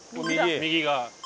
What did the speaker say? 右が。